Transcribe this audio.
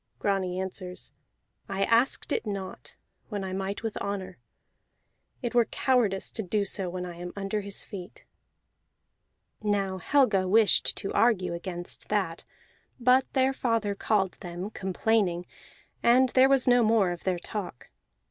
Grani answers: "I asked it not when I might with honor; it were cowardice to do so when I am under his feet." Now Helga wished to argue against that; but their father called them, complaining, and there was no more of their talk.